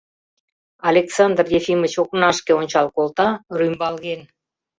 Александр Ефимыч окнашке ончал колта — рӱмбалген.